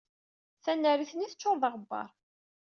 Tanarit-nni teccuṛ d aɣebbar.